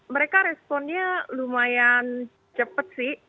mereka responnya lumayan cepat sih